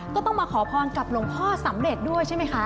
ก็ต้องมาขอพรกับหลวงพ่อสำเร็จด้วยใช่ไหมคะ